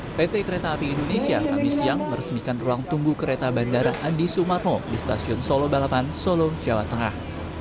pt kereta api indonesia kami siang meresmikan ruang tunggu kereta bandara adi sumarmo di stasiun solo balapan solo jawa tengah